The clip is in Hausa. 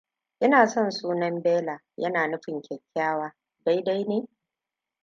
Ina son sunan Bella, yana nufin kyakkyawa, daidai ne?